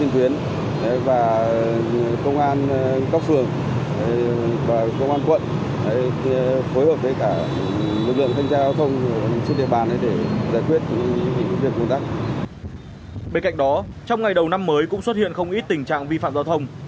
bên cạnh đó trong ngày đầu năm mới cũng xuất hiện không ít tình trạng vi phạm giao thông